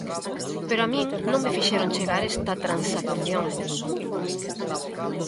Pero a min non me fixeron chegar esta transacción.